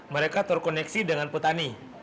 mereka terkoneksi dengan petani